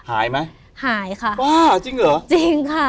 หายไหมหายค่ะบ้าจริงเหรอจริงค่ะ